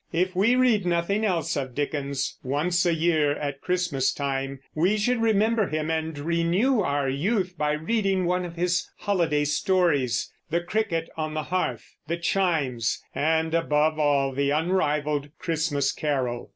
If we read nothing else of Dickens, once a year, at Christmas time, we should remember him and renew our youth by reading one of his holiday stories, The Cricket on the Hearth, The Chimes, and above all the unrivaled Christmas Carol.